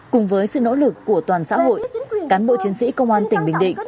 cùng với sự nỗ lực của toàn xã hội cán bộ chiến sĩ công an tỉnh bình định